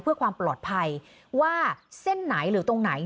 เพื่อความปลอดภัยว่าเส้นไหนหรือตรงไหน